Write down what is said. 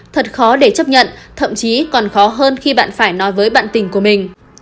thật khó để chấp nhận thậm chí còn khó hơn khi bạn phải nói với bạn tình của mình